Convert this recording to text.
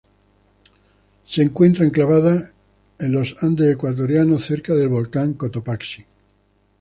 Se encuentra enclavada en los andes ecuatorianos cerca del volcán Cotopaxi.